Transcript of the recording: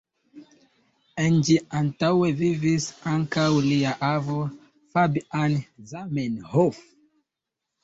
En ĝi antaŭe vivis ankaŭ lia avo Fabian Zamenhof.